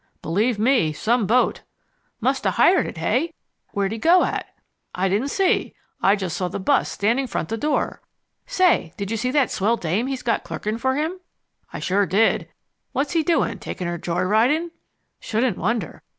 "Believe me, some boat." "Musta hired it, hey? Where'd he go at?" "I didn't see. I just saw the bus standing front the door." "Say, did you see that swell dame he's got clerking for him?" "I sure did. What's he doing, taking her joy riding?" "Shouldn't wonder.